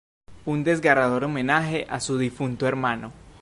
Un desgarrador homenaje a su difunto hermano.